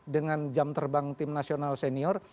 dengan jam terbang tim nasional senior